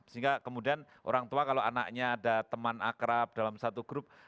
sehingga kemudian orang tua kalau anaknya ada teman akrab dalam satu grup